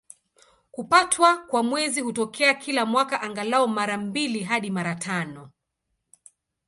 Kupatwa kwa Mwezi hutokea kila mwaka, angalau mara mbili hadi mara tano.